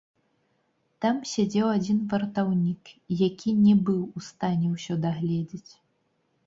Там сядзеў адзін вартаўнік, які не быў у стане ўсё дагледзець.